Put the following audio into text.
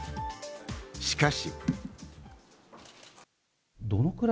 しかし。